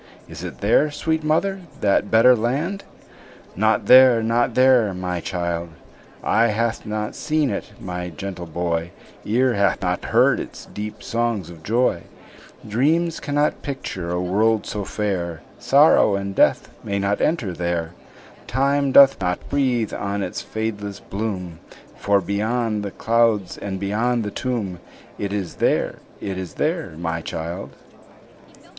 Is it there, sweet mother, that better land?" "Not there, not there, my child!" "Eye hath not seen it, my gentle boy; Ear hath not heard its deep songs of joy; Dreams cannot picture a world so fair, Sorrow and death may not enter there; Time doth not breathe on its fadeless bloom; For beyond the clouds and beyond the tomb, It is there, it is there, my child!"